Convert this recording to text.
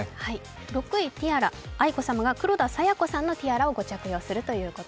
６位、ティアラ、愛子さまが黒田清子さんのティアラを着用するということ。